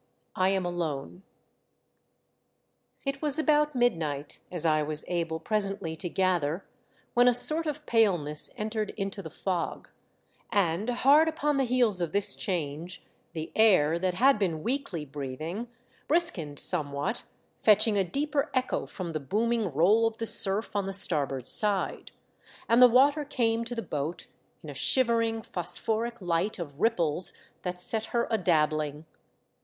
I AM ALONE. It was about midnight, as I was able pre sently to gather, when a sort of paleness entered into the fog ; and hard upon the heels of this change, the air, that had been weakly breathing, briskened somewhat, fetch ing a deeper echo from the booming roll of the surf on the starboard side ; and the water came to the boat in a shivering phosphoric light of ripples that set her a dabbling.